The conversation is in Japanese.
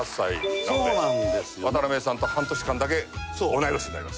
渡辺さんと半年間だけ同い年になります。